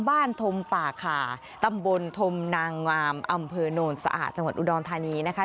ธมป่าขาตำบลธมนางงามอำเภอโนนสะอาดจังหวัดอุดรธานีนะคะ